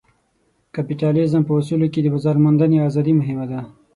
کپیټالیزم په اصولو کې د بازار موندنې ازادي مهمه ده.